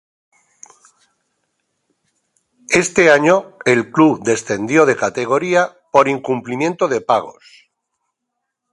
Ese año el club descendió de categoría por incumplimiento de pagos.